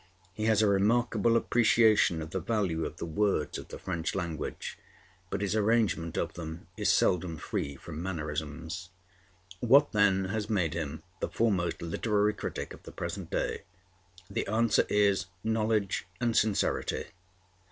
He has a remarkable appreciation of the value of the words of the French language, but his arrangement of them is seldom free from mannerisms. What, then, has made him the foremost literary critic of the present day? The answer is, knowledge and sincerity.